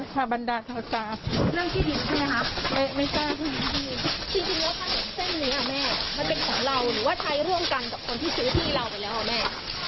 กับคนที่ซื้อที่เราไปแล้วหรือเป็นของแม่